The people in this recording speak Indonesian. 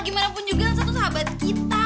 gimanapun juga rasa tuh sahabat kita